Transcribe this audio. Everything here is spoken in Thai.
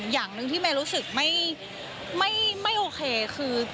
อย่างหนึ่งที่เมย์รู้สึกไม่โอเคคือ